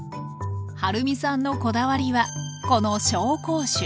はるみさんのこだわりはこの紹興酒。